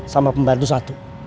sama pembantu satu